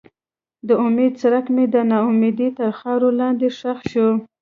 د امید څرک مې د ناامیدۍ تر خاورو لاندې ښخ شو.